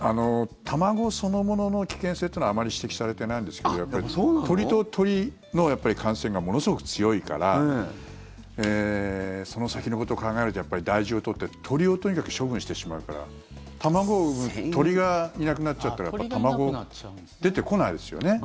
卵そのものの危険性っていうのはあまり指摘されてないんですけどやっぱり鳥と鳥の感染がものすごく強いからその先のことを考えるとやっぱり大事を取って鶏をとにかく処分してしまうから卵を産む鶏がいなくなっちゃったらそういうことか。